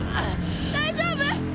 大丈夫！？